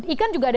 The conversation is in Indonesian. ikan juga ada